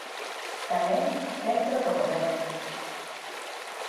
Tamén dentro do Goberno.